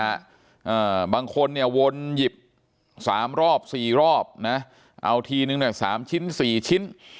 อ่าบางคนเนี่ยวนหยิบสามรอบสี่รอบนะเอาทีนึงเนี่ยสามชิ้นสี่ชิ้น